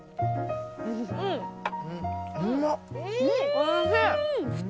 おいしい。